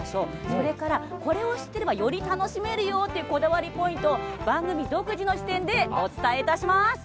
それから、これを知っていればより楽しめるよというこだわりポイントを番組独自の視点でお伝えします。